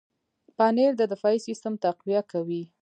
پنېر د دفاعي سیستم تقویه کوي.